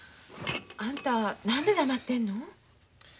あんた何で黙ってんの？